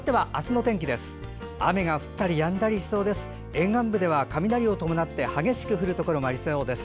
沿岸部では、雷を伴って激しく降るところもありそうです。